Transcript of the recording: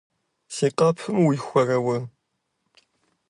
- Си къэпым уихуэрэ уэ?